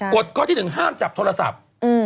กฎข้อที่๑ห้ามจับโทรศัพท์